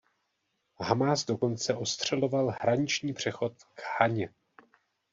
Hamás dokonce ostřeloval hraniční přechod v Khaně.